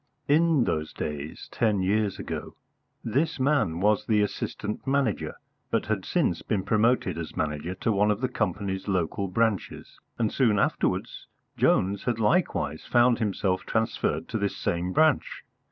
In those days ten years ago this man was the Assistant Manager, but had since been promoted as Manager to one of the company's local branches; and soon afterwards Jones had likewise found himself transferred to this same branch.